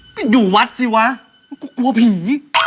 ก็อยู่วัดสิวะก็กลัวผี